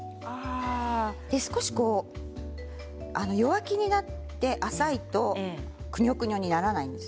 少し弱気になって浅いとくにょくにょになりません。